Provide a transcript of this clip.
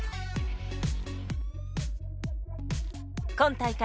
今大会